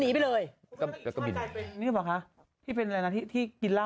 อีกช่างกายเป็นนึงหรือเปล่าคะที่เป็นอะไรนะที่กินเหล้า